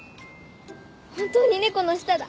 本当に猫の舌だ！